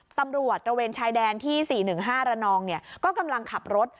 ตระเวนชายแดนที่๔๑๕ระนองก็กำลังขับรถ